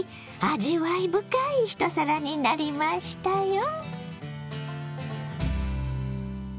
味わい深い一皿になりましたよ。